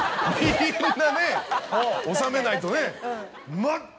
みんなね収めないとね。